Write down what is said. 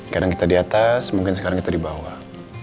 kadang kita di atas mungkin sekarang kita di bawah